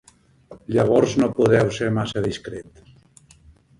Llavors no podeu ser massa discret.